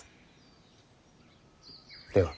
では。